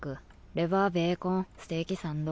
レバーベーコンステーキサンド。